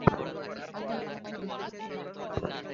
তিনি পালিয়ে পাহাড়ে চলে গিয়েছিলেন।